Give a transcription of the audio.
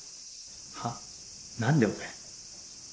は？何で俺？